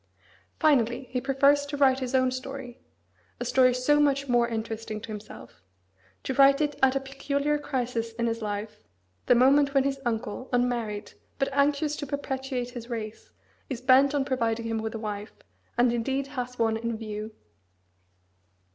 Finally, he prefers to write his own story, a story so much more interesting to himself; to write it at a peculiar crisis in his life, the moment when his uncle, unmarried, but anxious to perpetuate his race, is bent on providing him with a wife, and indeed has one in view.